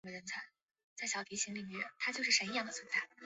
这曾是以色列爱乐乐团举行音乐会的地点。